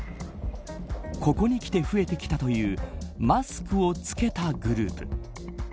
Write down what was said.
ここにきて増えてきたというマスクを着けたグループ。